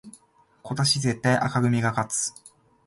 今年絶対紅組が勝つ